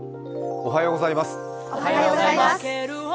おはようございます。